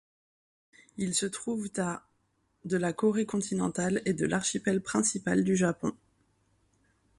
Ils se trouvent à de la Corée continentale et de l'archipel principal du Japon.